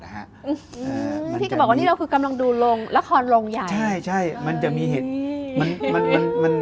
พี่ก็บอกว่ากำลังเราดูหลักครรภ์โรงใหญ่